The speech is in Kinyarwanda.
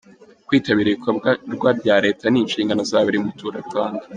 Kwitabira ibikorwa bya leta ni inshingano za buri mutura Rwanda.